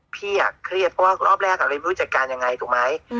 พี่อ่ะเครียดเพราะว่ารอบแรกอาจเป็นผู้จัดการยังไงถูกไหม